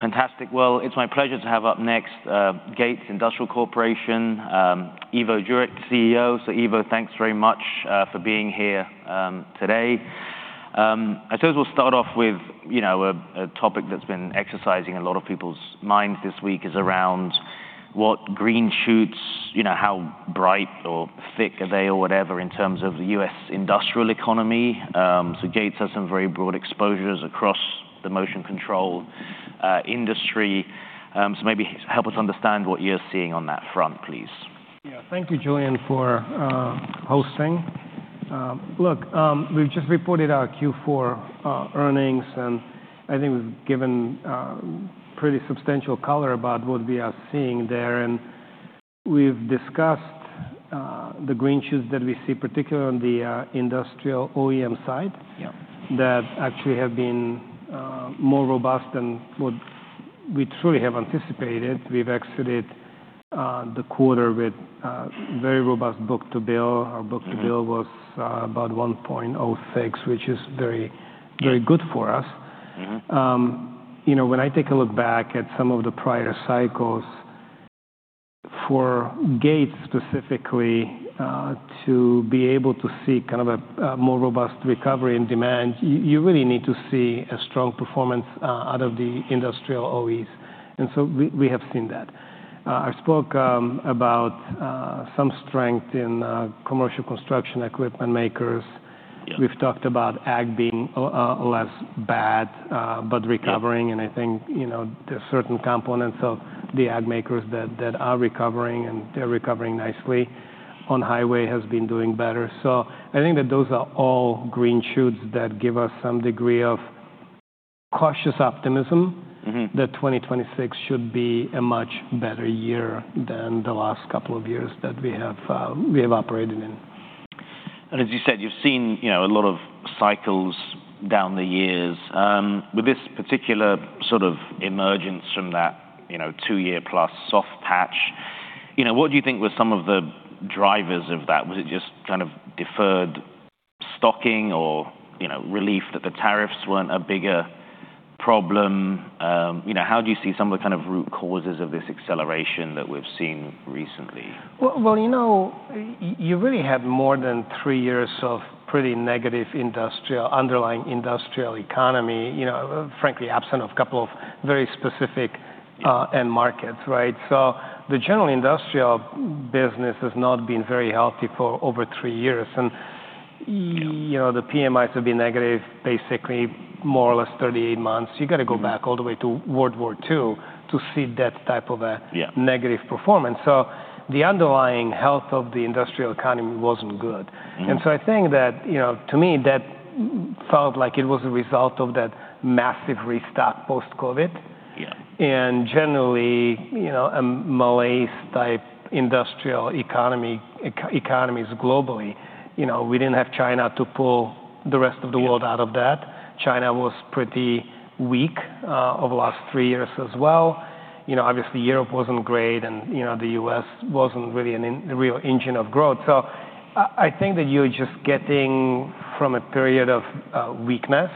Fantastic. Well, it's my pleasure to have up next, Gates Industrial Corporation, Ivo Jurek, CEO. So Ivo, thanks very much for being here today. I suppose we'll start off with, you know, a topic that's been exercising a lot of people's minds this week, is around what green shoots, you know, how bright or thick are they or whatever, in terms of the U.S. industrial economy. So Gates has some very broad exposures across the motion control industry. So maybe help us understand what you're seeing on that front, please. Yeah. Thank you, Julian, for hosting. Look, we've just reported our Q4 earnings, and I think we've given pretty substantial color about what we are seeing there. And we've discussed the green shoots that we see, particularly on the industrial OEM side that actually have been more robust than what we truly have anticipated. We've exited the quarter with very robust book-to-bill. Our book-to-bill was about 1.06, which is very, very good for us. You know, when I take a look back at some of the prior cycles for Gates specifically, to be able to see kind of a more robust recovery in demand, you really need to see a strong performance out of the industrial OEMs, and so we have seen that. I spoke about some strength in commercial construction equipment makers. Yeah. We've talked about ag being less bad, but recovering. And I think, you know, there are certain components of the ag makers that, that are recovering, and they're recovering nicely. On-highway has been doing better. So I think that those are all green shoots that give us some degree of cautious optimism. That 2026 should be a much better year than the last couple of years that we have, we have operated in. As you said, you've seen, you know, a lot of cycles down the years. With this particular sort of emergence from that, you know, two-year plus soft patch, you know, what do you think were some of the drivers of that? Was it just kind of deferred stocking or, you know, relief that the tariffs weren't a bigger problem? You know, how do you see some of the kind of root causes of this acceleration that we've seen recently? Well, well, you know, you really had more than three years of pretty negative industrial, underlying industrial economy, you know, frankly, absent of a couple of very specific end markets, right? So the general industrial business has not been very healthy for over three years, and, you know, the PMIs have been negative, basically more or less 38 months. You've got to go back all the way to World War II to see that type of a negative performance. The underlying health of the industrial economy wasn't good. And so I think that, you know, to me, that felt like it was a result of that massive restock post-COVID. Generally, you know, a malaise-type industrial economy, economies globally. You know, we didn't have China to pull the rest of the world out of that. China was pretty weak over the last three years as well. You know, obviously, Europe wasn't great, and, you know, the U.S. wasn't really a real engine of growth. So I, I think that you're just getting from a period of weakness.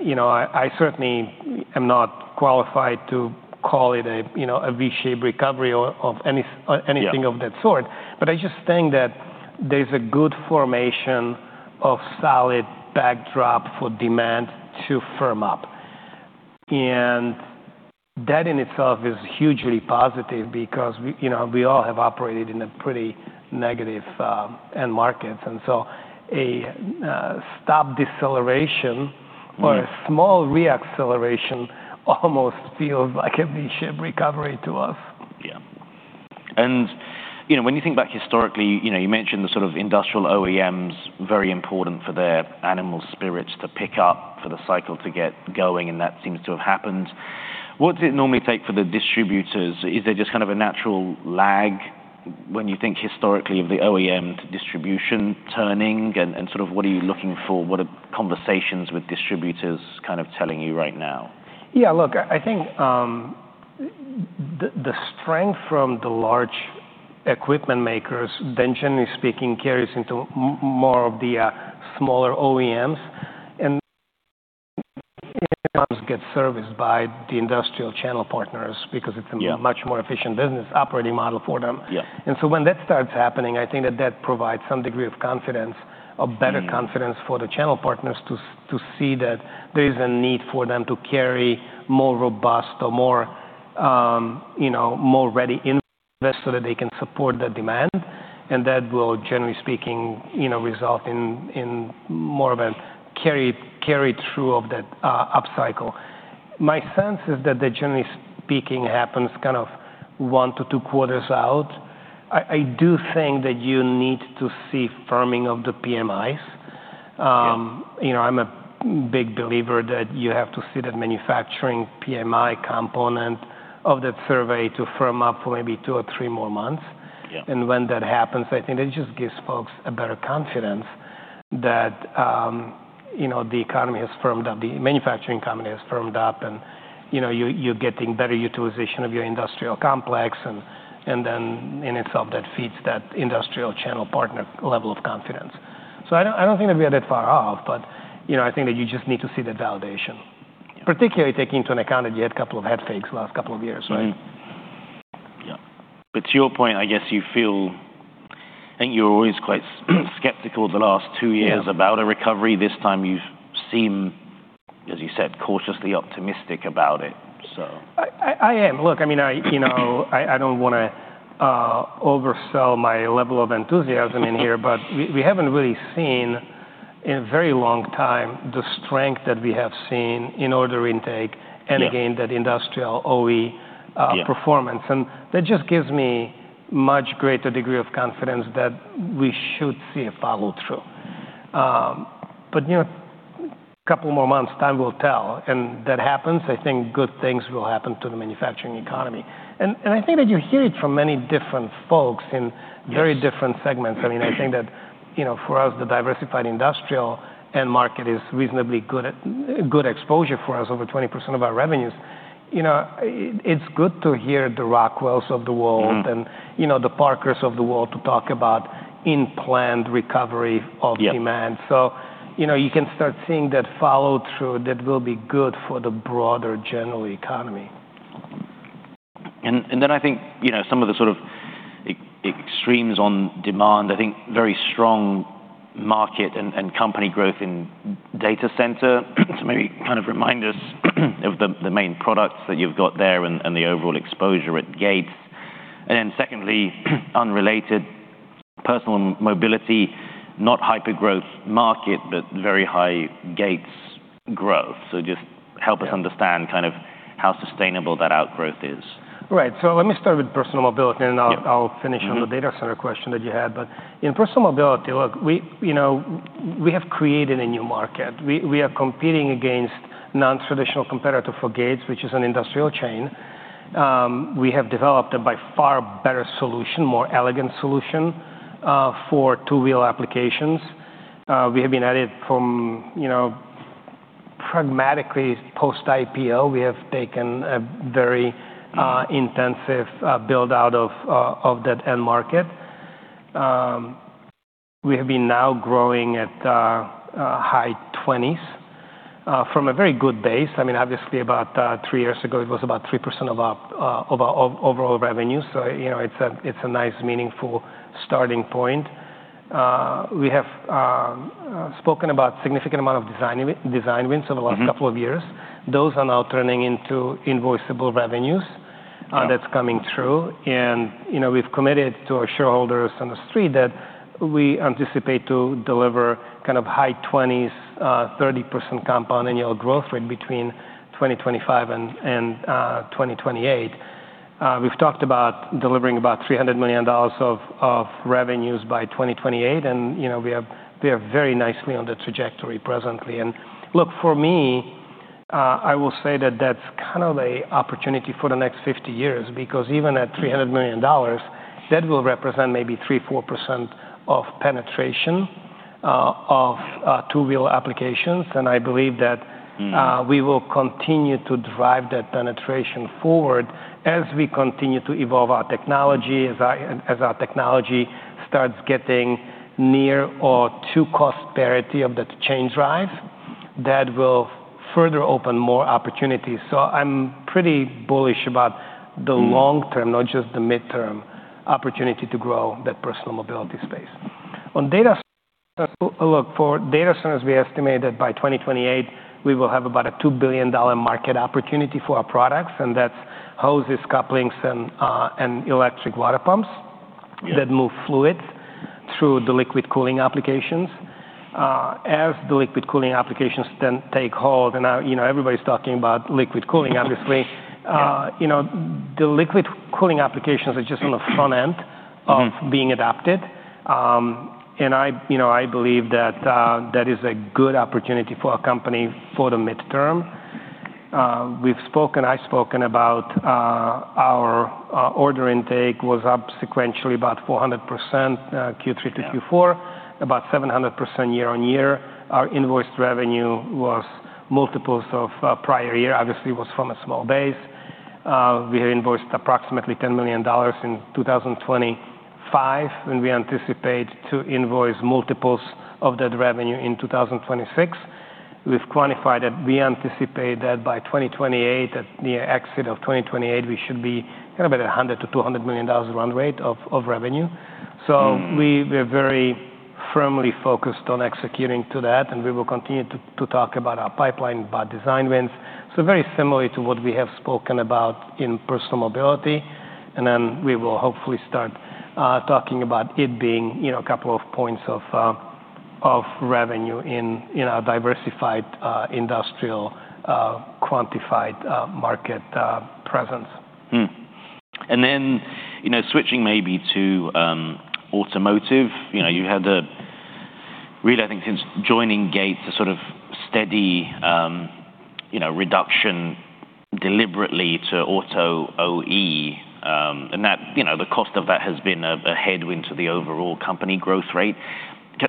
You know, I certainly am not qualified to call it a, you know, a V-shaped recovery or of any, anything of that sort, but I just think that there's a good formation of solid backdrop for demand to firm up. And that in itself is hugely positive because we, you know, we all have operated in a pretty negative, end markets, and so a, stop deceleration or a small re-acceleration almost feels like a V-shaped recovery to us. Yeah. And, you know, when you think back historically, you know, you mentioned the sort of industrial OEMs, very important for their animal spirits to pick up, for the cycle to get going, and that seems to have happened. What does it normally take for the distributors? Is there just kind of a natural lag when you think historically of the OEM distribution turning? And sort of what are you looking for? What are conversations with distributors kind of telling you right now? Yeah, look, I think the strength from the large equipment makers then generally speaking carries into more of the smaller OEMs. And get serviced by the industrial channel partners because it's a much more efficient business operating model for them. And so when that starts happening, I think that that provides some degree of confidence a better confidence for the channel partners to see that there is a need for them to carry more robust or more, you know, more ready inventory, so that they can support the demand. And that will, generally speaking, you know, result in more of a carry through of that upcycle. My sense is that that, generally speaking, happens kind of one to two quarters out. I do think that you need to see firming of the PMIs. You know, I'm a big believer that you have to see that manufacturing PMI component of that survey to firm up for maybe two or three more months. When that happens, I think it just gives folks a better confidence that, you know, the economy has firmed up, the manufacturing economy has firmed up, and, you know, you're getting better utilization of your industrial complex. And then in itself, that feeds that industrial channel partner level of confidence... So I don't think that we are that far off, but, you know, I think that you just need to see the validation, particularly taking into account that you had a couple of head fakes the last couple of years, right? Mm-hmm. Yeah. But to your point, I guess you feel, I think you were always quite skeptical the last two years about a recovery. This time you've seemed, as you said, cautiously optimistic about it, so. I am. Look, I mean, I don't wanna oversell my level of enthusiasm in here, but we haven't really seen, in a very long time, the strength that we have seen in order intake and again, that industrial OE performance. That just gives me much greater degree of confidence that we should see a follow-through. But, you know, a couple more months, time will tell, and that happens, I think good things will happen to the manufacturing economy. I think that you hear it from many different folks in- Yes -very different segments. I mean, I think that, you know, for us, the diversified industrial end market is reasonably good at, good exposure for us, over 20% of our revenues. You know, it, it's good to hear the Rockwells of the world and, you know, the Parkers of the world to talk about in-plant recovery of demand. So, you know, you can start seeing that follow-through that will be good for the broader general economy. And then I think, you know, some of the sort of extremes on demand, I think very strong market and company growth in data center, to maybe kind of remind us of the main products that you've got there and the overall exposure at Gates. And then secondly, unrelated, personal mobility, not hyper growth market, but very high Gates growth. So just help us understand kind of how sustainable that outgrowth is. Right. So let me start with personal mobility, and I'll finish on the data center question that you had. But in personal mobility, look, we—you know, we have created a new market. We are competing against non-traditional competitor for Gates, which is an industrial chain. We have developed a by far better solution, more elegant solution, for two-wheel applications. We have been at it from, you know, pragmatically, post-IPO, we have taken a very intensive build-out of that end market. We have been now growing at high 20s from a very good base. I mean, obviously, about three years ago, it was about 3% of our overall revenue, so, you know, it's a nice, meaningful starting point. We have spoken about significant amount of design wins over the last couple of years. Those are now turning into invoiceable revenues. That's coming through, and, you know, we've committed to our shareholders on the Street that we anticipate to deliver kind of high twenties, 30% compound annual growth rate between 2025 and, and 2028. We've talked about delivering about $300 million of revenues by 2028, and, you know, we are, we are very nicely on that trajectory presently. Look, for me, I will say that that's kind of a opportunity for the next 50 years, because even at $300 million, that will represent maybe three, 4% of penetration, of two-wheel applications. I believe that we will continue to drive that penetration forward as we continue to evolve our technology, as our technology starts getting near or to cost parity of the chain drive, that will further open more opportunities. So I'm pretty bullish about the long term not just the midterm, opportunity to grow that personal mobility space. On data, look, for data centers, we estimate that by 2028, we will have about a $2 billion market opportunity for our products, and that's hoses, couplings, and electric water pumps that move fluid through the liquid cooling applications. As the liquid cooling applications then take hold, and, you know, everybody's talking about liquid cooling, obviously. You know, the liquid cooling applications are just on the front end of being adapted. And I, you know, I believe that that is a good opportunity for our company for the midterm. We've spoken, I've spoken about our order intake was up sequentially, about 400%, Q3 to Q4 about 700% year-on-year. Our invoiced revenue was multiples of prior year. Obviously, it was from a small base. We had invoiced approximately $10 million in 2025, and we anticipate to invoice multiples of that revenue in 2026. We've quantified that we anticipate that by 2028, at the exit of 2028, we should be kind of at a $100 million-$200 million run rate of revenue. So we're very firmly focused on executing to that, and we will continue to talk about our pipeline by design wins. So very similarly to what we have spoken about in personal mobility, and then we will hopefully start talking about it being, you know, a couple of points of revenue in our diversified industrial quantified market presence. Hmm. And then, you know, switching maybe to automotive, you know, you had a really, I think, since joining Gates, a sort of steady, you know, reduction deliberately to auto OE, and that, you know, the cost of that has been a headwind to the overall company growth rate.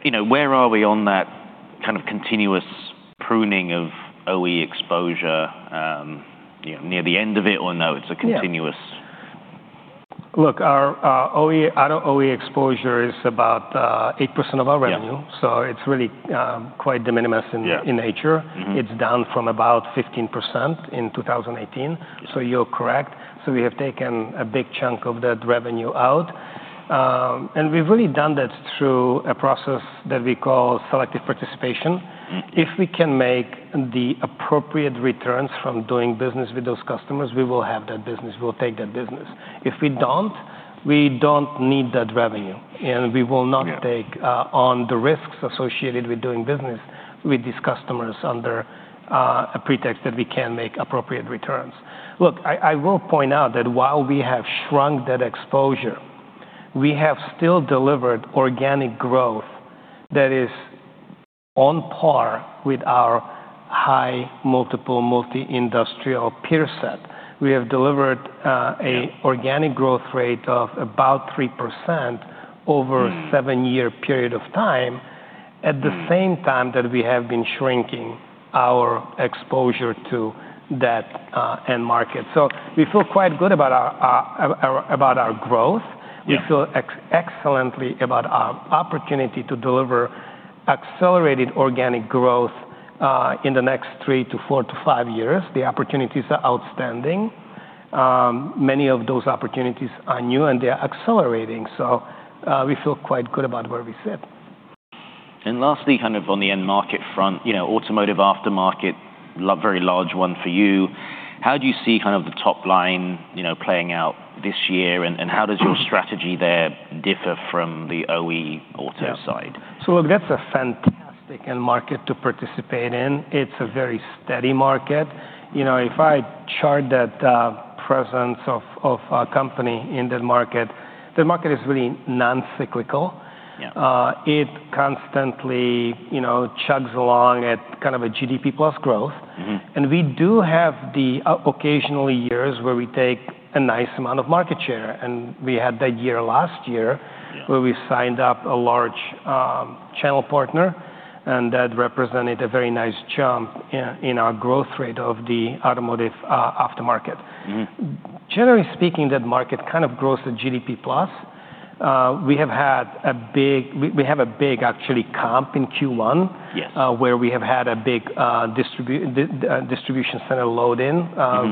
You know, where are we on that kind of continuous pruning of OE exposure? You know, near the end of it, or no, it's a continuous- Look, our OE, auto OE exposure is about 8% of our revenue. So it's really quite de minimis in nature. It's down from about 15% in 2018. So you're correct. So we have taken a big chunk of that revenue out. And we've really done that through a process that we call selective participation. If we can make the appropriate returns from doing business with those customers, we will have that business, we'll take that business. If we don't, we don't need that revenue, and we will not take on the risks associated with doing business with these customers under a pretext that we can't make appropriate returns. Look, I, I will point out that while we have shrunk that exposure, we have still delivered organic growth that is on par with our high multiple multi-industrial peer set. We have delivered a organic growth rate of about 3% over a seven-year period of time at the same time that we have been shrinking our exposure to that end market. So we feel quite good about our, our, about our growth. We feel excellently about our opportunity to deliver accelerated organic growth in the next three to four to five years. The opportunities are outstanding. Many of those opportunities are new, and they are accelerating, so we feel quite good about where we sit. Lastly, kind of on the end market front, you know, automotive aftermarket, a very large one for you, how do you see kind of the top line, you know, playing out this year, and how does your strategy there differ from the OE auto side? Yeah. So look, that's a fantastic end market to participate in. It's a very steady market. You know, if I chart that presence of our company in that market, that market is really non-cyclical. It constantly, you know, chugs along at kind of a GDP plus growth. We do have occasional years where we take a nice amount of market share, and we had that year last year. Where we signed up a large channel partner, and that represented a very nice jump in our growth rate of the automotive aftermarket. Generally speaking, that market kind of grows at GDP plus. We have a big actually comp in Q1. Yes Where we have had a big distribution center load in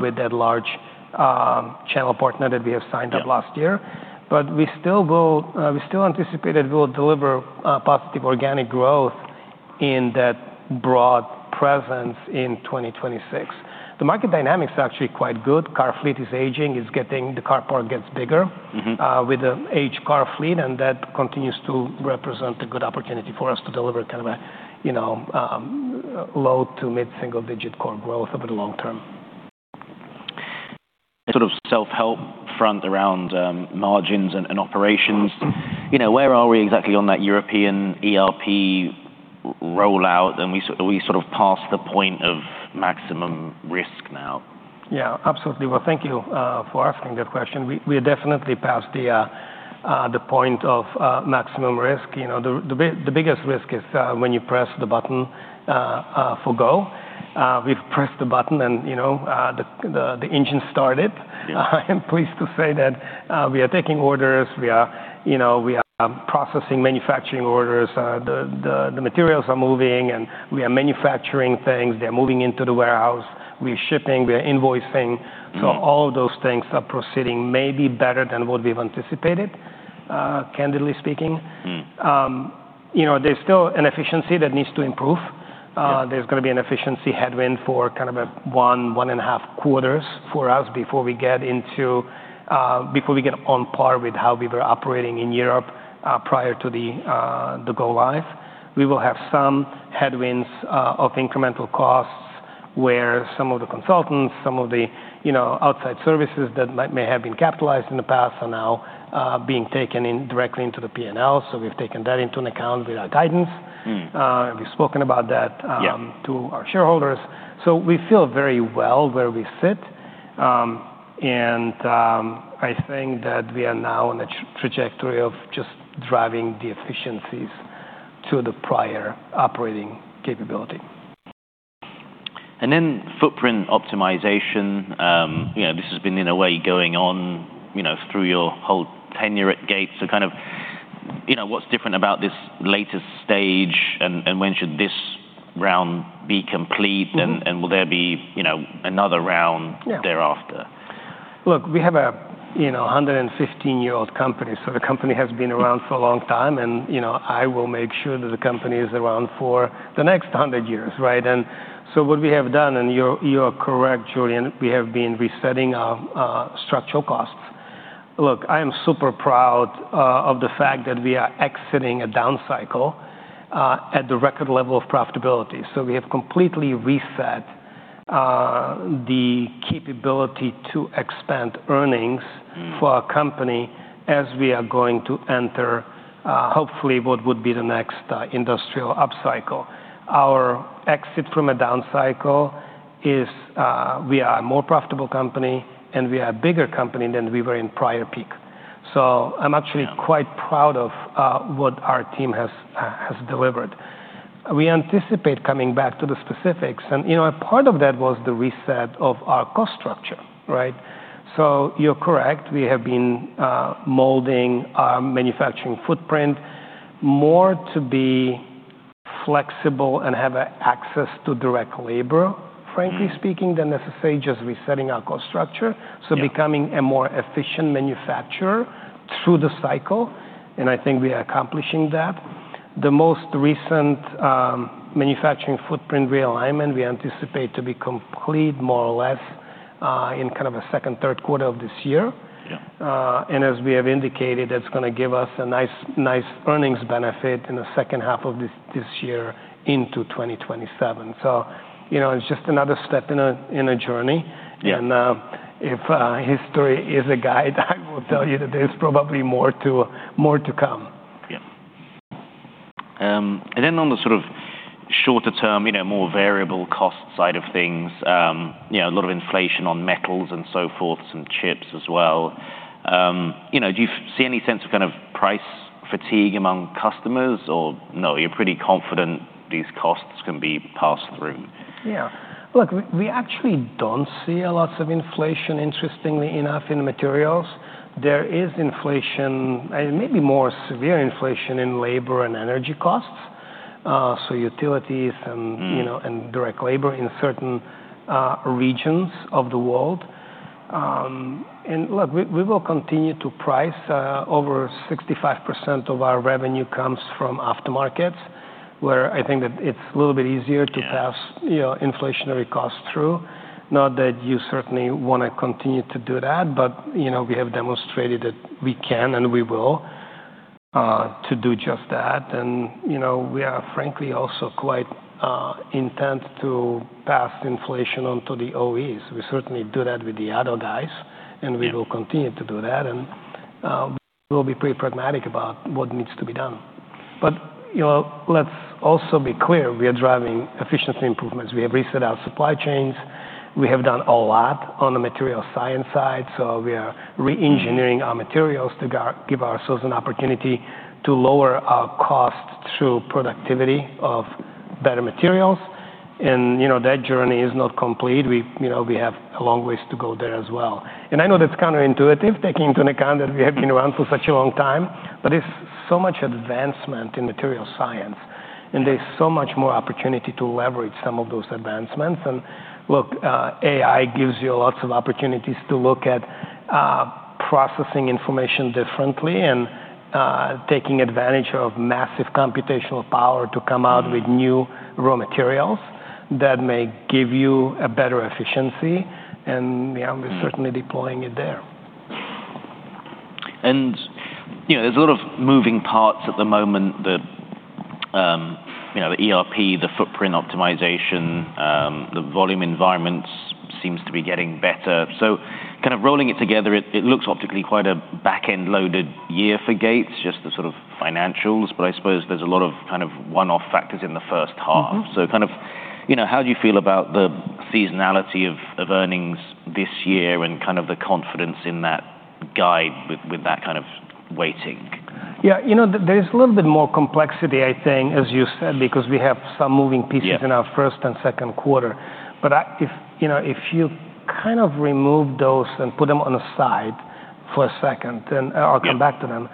with that large channel partner that we have signed up last year. But we still will, we still anticipate that we will deliver, positive organic growth in that broad presence in 2026. The market dynamics are actually quite good. Car fleet is aging, it's getting... The car park gets bigger with an aged car fleet, and that continues to represent a good opportunity for us to deliver kind of a, you know, low to mid-single-digit core growth over the long term. Sort of self-help front around margins and operations. You know, where are we exactly on that European ERP rollout? And are we sort of past the point of maximum risk now? Yeah, absolutely. Well, thank you for asking that question. We are definitely past the point of maximum risk. You know, the biggest risk is when you press the button for go. We've pressed the button, and you know, the engine started. I am pleased to say that, we are taking orders. We are... You know, we are, processing manufacturing orders. The materials are moving, and we are manufacturing things. They're moving into the warehouse. We're shipping, we're invoicing. So all of those things are proceeding maybe better than what we've anticipated, candidly speaking. You know, there's still an efficiency that needs to improve. There's gonna be an efficiency headwind for kind of a one, one and a half quarters for us before we get on par with how we were operating in Europe prior to the go-live. We will have some headwinds of incremental costs, where some of the consultants, you know, outside services that might have been capitalized in the past are now being taken directly into the P&L. So we've taken that into account with our guidance. We've spoken about that. To our shareholders, so we feel very well where we sit. I think that we are now on a trajectory of just driving the efficiencies to the prior operating capability. Then footprint optimization, you know, this has been, in a way, going on, you know, through your whole tenure at Gates. So kind of, you know, what's different about this latest stage, and, and when should this round be complete? Will there be, you know, another round thereafter? Look, we have a, you know, 115-year-old company, so the company has been around for a long time. And, you know, I will make sure that the company is around for the next 100 years, right? And so what we have done, and you're, you are correct, Julian, we have been resetting our, structural costs. Look, I am super proud, of the fact that we are exiting a downcycle, at the record level of profitability. So we have completely reset, the capability to expand earnings for our company as we are going to enter, hopefully, what would be the next, industrial upcycle. Our exit from a downcycle is, we are a more profitable company, and we are a bigger company than we were in prior peak. So I'm actually quite proud of what our team has delivered. We anticipate coming back to the specifics, and, you know, a part of that was the reset of our cost structure, right? So you're correct, we have been molding our manufacturing footprint more to be flexible and have access to direct labor, frankly speaking, than necessarily just resetting our cost structure. Becoming a more efficient manufacturer through the cycle, and I think we are accomplishing that. The most recent manufacturing footprint realignment, we anticipate to be complete more or less, in kind of a second, third quarter of this year. And as we have indicated, that's gonna give us a nice earnings benefit in the second half of this year into 2027. So, you know, it's just another step in a journey. If history is a guide, I will tell you that there's probably more to come. Yeah. And then on the sort of shorter term, you know, more variable cost side of things, you know, a lot of inflation on metals and so forth, some chips as well. You know, do you see any sense of kind of price fatigue among customers, or no, you're pretty confident these costs can be passed through? Yeah. Look, we actually don't see a lot of inflation, interestingly enough, in the materials. There is inflation, and maybe more severe inflation in labor and energy costs. So utilities and you know, and direct labor in certain regions of the world. And look, we will continue to price... Over 65% of our revenue comes from aftermarket, where I think that it's a little bit easier to pass, you know, inflationary costs through. Not that you certainly wanna continue to do that, but, you know, we have demonstrated that we can, and we will, to do just that. And, you know, we are frankly also quite, intent to pass inflation on to the OEMs. We certainly do that with the other guys and we will continue to do that, and, we'll be pretty pragmatic about what needs to be done. But, you know, let's also be clear, we are driving efficiency improvements. We have reset our supply chains. We have done a lot on the material science side, so we are reengineering our materials to go give ourselves an opportunity to lower our cost through productivity of better materials. And, you know, that journey is not complete. We, you know, we have a long ways to go there as well. And I know that's counterintuitive, taking into account that we have been around for such a long time, but there's so much advancement in material science, and there's so much more opportunity to leverage some of those advancements. And look, AI gives you lots of opportunities to look at processing information differently and taking advantage of massive computational power to come out with new raw materials that may give you a better efficiency, and, yeah, we're certainly deploying it there. You know, there's a lot of moving parts at the moment. The, you know, the ERP, the footprint optimization, the volume environments seems to be getting better. So kind of rolling it together, it, it looks optically quite a back-end loaded year for Gates, just the sort of financials, but I suppose there's a lot of kind of one-off factors in the first half. So kind of, you know, how do you feel about the seasonality of earnings this year and kind of the confidence in that guide with that kind of weighting? Yeah, you know, there's a little bit more complexity, I think, as you said, because we have some moving pieces in our first and second quarter. But if, you know, if you kind of remove those and put them on the side for a second, and I'll come back to them,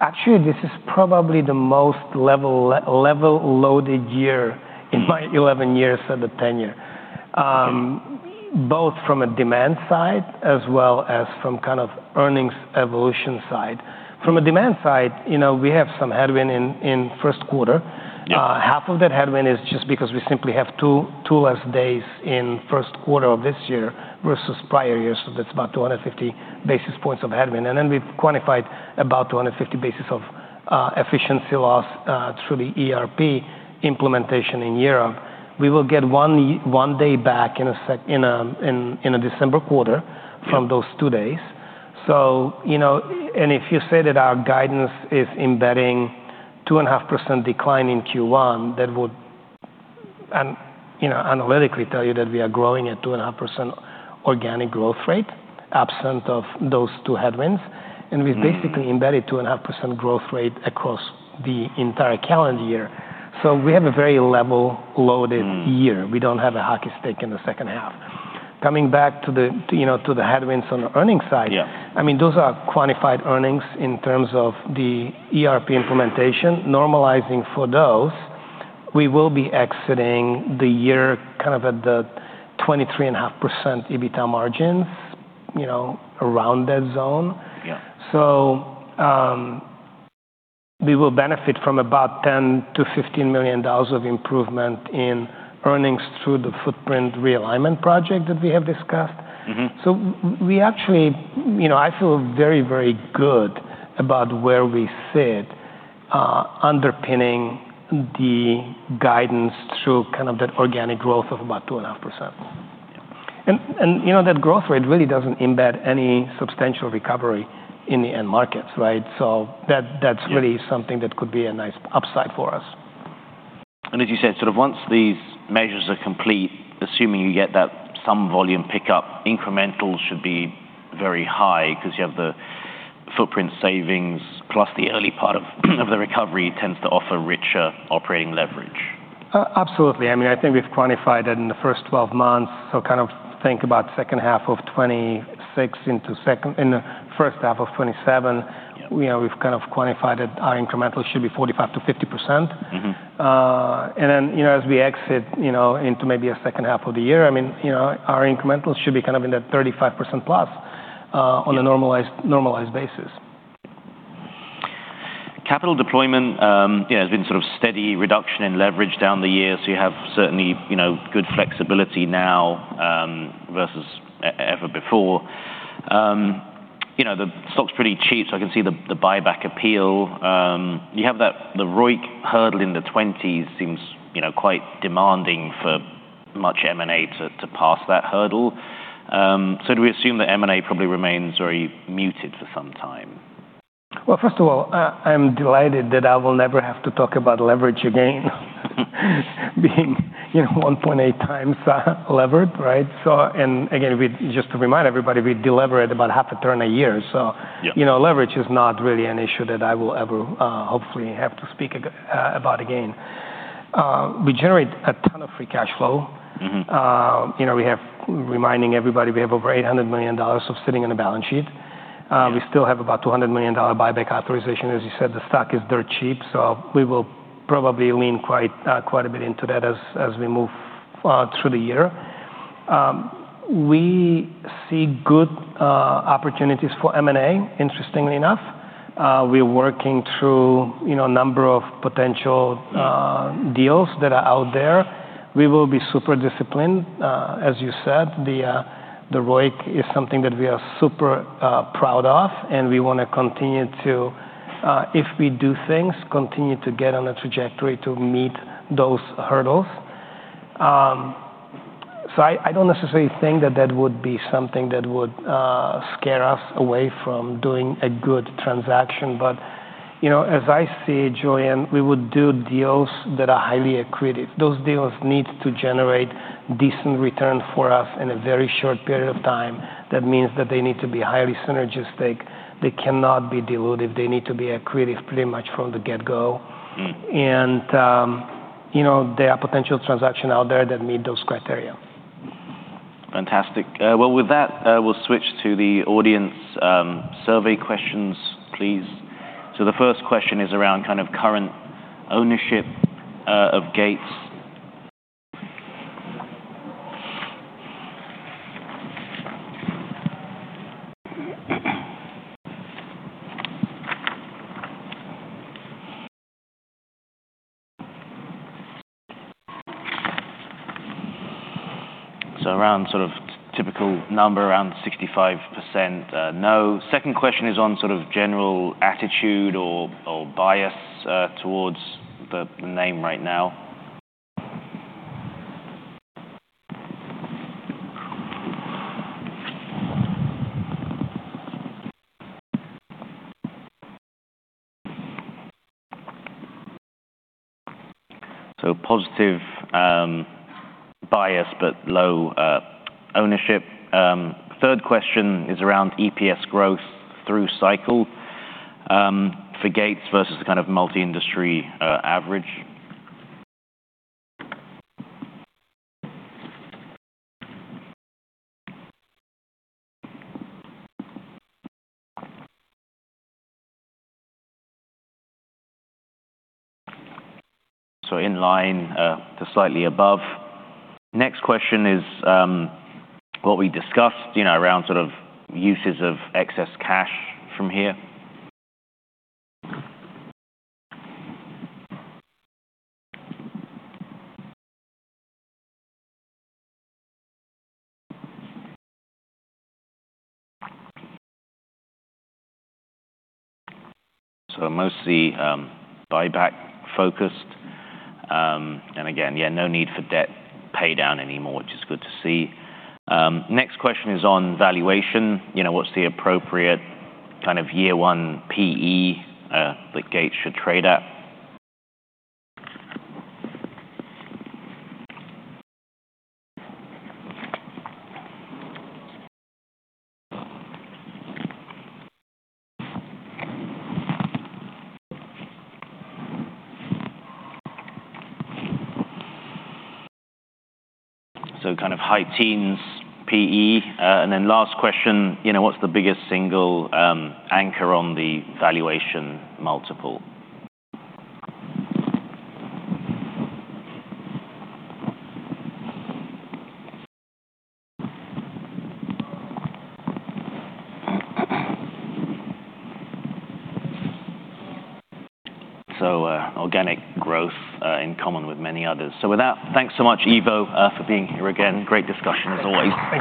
actually, this is probably the most level-loaded year in my 11 years of the tenure. Both from a demand side as well as from kind of earnings evolution side. From a demand side, you know, we have some headwind in first quarter. Half of that headwind is just because we simply have two less days in first quarter of this year versus prior years, so that's about 250 basis points of headwind. And then we've quantified about 250 basis of efficiency loss through the ERP implementation in Europe. We will get one day back in a second in a December quarter. From those two days. So, you know, and if you say that our guidance is embedding 2.5% decline in Q1, that would, you know, analytically tell you that we are growing at 2.5% organic growth rate, absent of those two headwinds. We've basically embedded a 2.5% growth rate across the entire calendar year. We have a very level-loaded year. We don't have a hockey stick in the second half. Coming back to the, you know, to the headwinds on the earnings side. I mean, those are quantified earnings in terms of the ERP implementation. Normalizing for those, we will be exiting the year kind of at the 23.5% EBITDA margins, you know, around that zone. We will benefit from about $10 million-$15 million of improvement in earnings through the footprint realignment project that we have discussed. So we actually... You know, I feel very, very good about where we sit, underpinning the guidance through kind of that organic growth of about 2.5%. You know, that growth rate really doesn't embed any substantial recovery in the end markets, right? So that's really something that could be a nice upside for us. And as you said, sort of once these measures are complete, assuming you get that some volume pickup, incremental should be very high because you have footprint savings, plus the early part of the recovery tends to offer richer operating leverage? Absolutely. I mean, I think we've quantified it in the first 12 months. So kind of think about second half of 2026 into the first half of 2027. You know, we've kind of quantified it. Our incremental should be 45%-50%. And then, you know, as we exit, you know, into maybe a second half of the year, I mean, you know, our incrementals should be kind of in that 35% plus, on a normalized basis. Capital deployment, yeah, has been sort of steady reduction in leverage down the year. So you have certainly, you know, good flexibility now, versus ever before. You know, the stock's pretty cheap, so I can see the, the buyback appeal. You have that, the ROIC hurdle in the twenties seems, you know, quite demanding for much M&A to, to pass that hurdle. So do we assume that M&A probably remains very muted for some time? Well, first of all, I'm delighted that I will never have to talk about leverage again, being, you know, 1.8 times levered, right? So... And again, we-- just to remind everybody, we delevered about half a turn a year. So, you know, leverage is not really an issue that I will ever, hopefully have to speak about again. We generate a ton of free cash flow. You know, reminding everybody, we have over $800 million sitting on a balance sheet. We still have about $200 million buyback authorization. As you said, the stock is dirt cheap, so we will probably lean quite a bit into that as we move through the year. We see good opportunities for M&A, interestingly enough. We're working through, you know, a number of potential deals that are out there. We will be super disciplined. As you said, the ROIC is something that we are super proud of, and we wanna continue to, if we do things, continue to get on a trajectory to meet those hurdles. So I don't necessarily think that that would be something that would scare us away from doing a good transaction. But, you know, as I see it, Julian, we would do deals that are highly accretive. Those deals need to generate decent return for us in a very short period of time. That means that they need to be highly synergistic. They cannot be dilutive. They need to be accretive pretty much from the get-go. You know, there are potential transactions out there that meet those criteria. Fantastic. Well, with that, we'll switch to the audience survey questions, please. So the first question is around kind of current ownership of Gates. So around sort of typical number, around 65%, no. Second question is on sort of general attitude or bias towards the name right now. So positive bias, but low ownership. Third question is around EPS growth through cycle for Gates versus kind of multi-industry average. So in line to slightly above. Next question is what we discussed, you know, around sort of uses of excess cash from here. So mostly buyback focused. And again, yeah, no need for debt paydown anymore, which is good to see. Next question is on valuation. You know, what's the appropriate kind of year one PE that Gates should trade at? So, kind of high teens PE. And then last question, you know, what's the biggest single anchor on the valuation multiple? So, organic growth, in common with many others. So with that, thanks so much, Ivo, for being here again. Great discussion, as always.